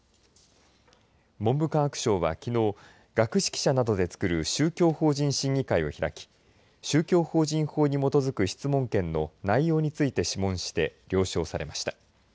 文部科学省はきのう学識者などでつくる宗教法人審議会を開き宗教法人法に基づく質問権の内容について諮問して了承されました。